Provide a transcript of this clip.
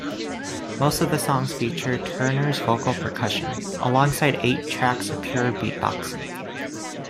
Most of the songs featured Turner's vocal percussion, alongside eight tracks of pure beatboxing.